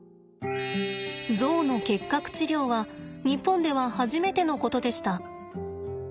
ゾウの結核治療は日本では初めてのことでした。